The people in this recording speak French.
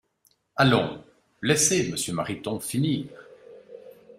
Allons, laissez Monsieur Mariton finir